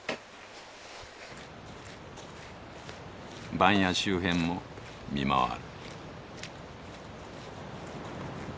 番屋周辺も見回る。